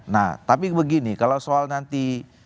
nah tapi begini kalau soal nanti